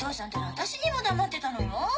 私にも黙ってたのよ。